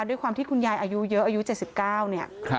ด้วยความที่คุณยายอายุเยอะอายุ๗๙เนี่ย